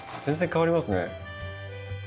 全然変わりますね。